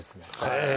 へえ